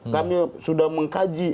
kami sudah mengkaji